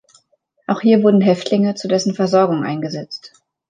Auch hier wurden Häftlinge zu dessen Versorgung eingesetzt.